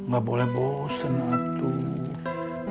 gak boleh bosan aduh